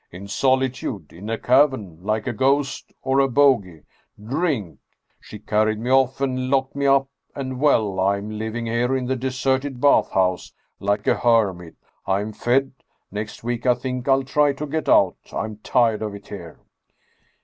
In solitude, in a cavern, like a ghost or a bogey. Drink! She carried me off and locked me up, and well, I am living here, in the deserted bath house, like a hermit. I am fed. Next week I think I'll try to get out. I'm tired of it here